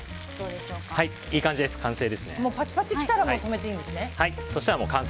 パチパチが来たら止めていいんですね。